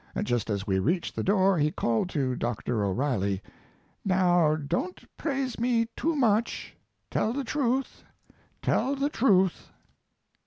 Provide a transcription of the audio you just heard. Just as we reached the door he called to Dr. O'Reilly, "Now don't praise me too much; tell the truth, tell the truth."